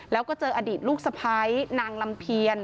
แล้วก็เจออดีตลูกสะพ้ายนางลำเพียน